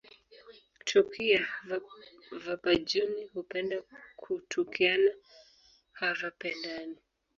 "Tukia, vabajuni hupenda kutukiana havapendani."